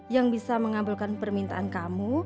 yang bisa mengabulkan permintaan kamu